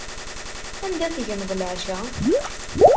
Anda tegneḍ leɛca?